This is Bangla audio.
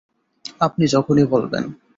আপনি যখনই বলবেন।